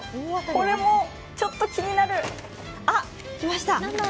これもちょっと気になるあっ、来ました。